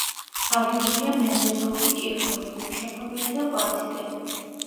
აგებულია მეზოზოური კირქვებით, ქვიშაქვებითა და კვარციტებით.